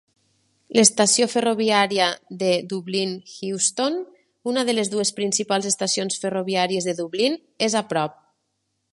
L'estació ferroviària de Dublin Heuston, una de les dues principals estacions ferroviàries de Dublín, és a prop.